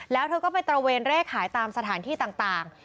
แล้วเธอก็ไปตระเวนเร่ขายตามสถานที่ต่าง